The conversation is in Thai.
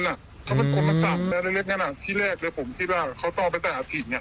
อืมอืมที่แรกเลยผมคิดว่าเขาต้องไปใส่อาธิเนี้ยอ๋อ